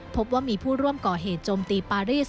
พบว่ามีผู้ร่วมก่อเหตุโจมตีปารีส